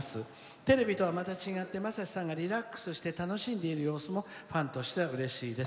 テレビとはまた違ってまさしさんがリラックスして楽しんでいる様子もファンとしてはうれしいです。